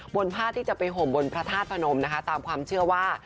บนผ้าที่จะไปห่มบนพระธาตุพนมนะคะตามความเชื่อว่า